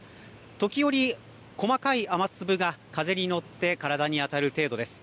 時折、細かい雨粒が風に乗って体に当たる程度です。